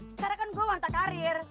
sekarang kan gue wanita karir